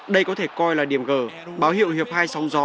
đây có thể coi là điểm g báo hiệu hiệp hai sóng gió